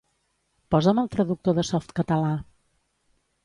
Posa'm el Traductor de Softcatalà.